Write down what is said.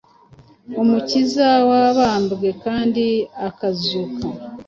Umukiza wabambwe kandi akazuka.